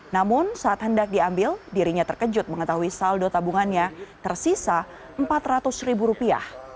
namun saat hendak diambil dirinya terkejut mengetahui saldo tabungannya tersisa empat ratus ribu rupiah